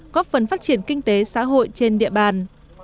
có phần phát triển kinh tế xã hội trên địa bàn